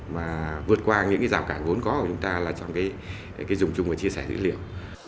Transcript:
và vượt qua những giảm cản vốn có của chúng ta trong dùng chung và chia sẻ dữ liệu